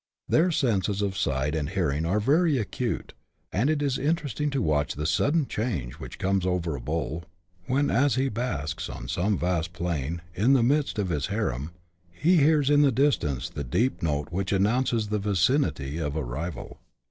Their senses of sight and hearing are very acute, and it is inter esting to watch the sudden change which comes over a bull, when, as he basks on some vast plain, in the midst of his harem, he hears in the distance the deep note vi^hich announces the vicinity of a rival.